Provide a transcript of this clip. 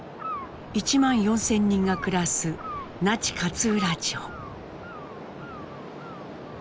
１万４，０００人が暮らす那智勝浦町。